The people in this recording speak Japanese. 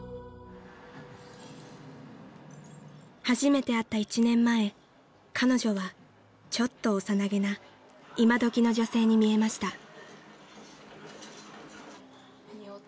［初めて会った１年前彼女はちょっと幼げな今どきの女性に見えました］